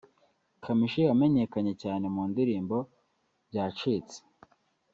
Kamichi wamenyekanye cyane mu ndirimbo Byacitse